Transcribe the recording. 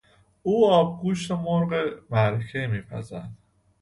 او آبگوشت مرغ معرکهای میپزد.